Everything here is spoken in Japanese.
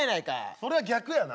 それは逆やな。